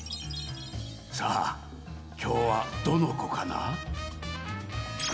さあきょうはどのこかな？